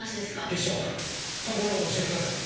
本当のこと教えてください。